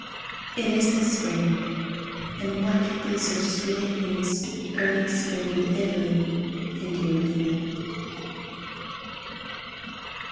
It is the Spring! And what could be So sweet a thing As early Spring In Italy, And you with me!